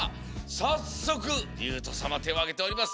さっそくりゅうとさまてをあげております。